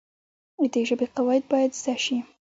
د ژبي قواعد باید زده سي.